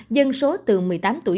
dân số từ một mươi tám tuổi